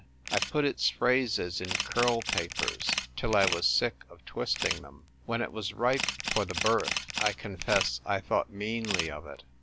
I put its phrases in curl papers till I was sick of twisting them. When it was ripe for the birth, I confess I thought meanly of it.